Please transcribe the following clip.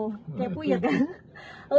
kayak punya kan